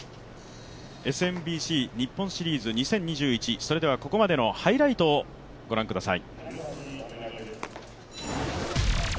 ＳＭＢＣ日本シリーズ２０２１、それではここまでのハイライトを御覧ください。